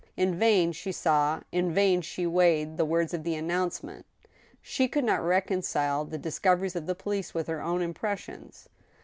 In vain she saw, in vain she weighed the words of the announce ment. She could not reconcile the discoveries of the police with her own impressions.